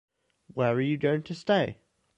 Where are you going to stay?